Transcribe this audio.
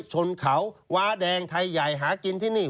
ชนเขาว้าแดงไทยใหญ่หากินที่นี่